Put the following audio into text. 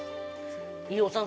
飯尾さん